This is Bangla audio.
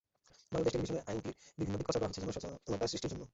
বাংলাদেশ টেলিভিশনে আইনটির বিভিন্ন দিক প্রচার করা হচ্ছে জনসচেতনতা সৃষ্টির জন্য।